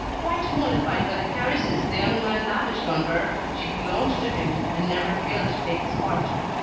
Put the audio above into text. Quite mollified by the caresses the young man lavished on her, she belonged to him, and never failed to take his part.